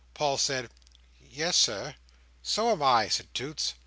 Paul said "Yes, Sir." "So am I," said Toots.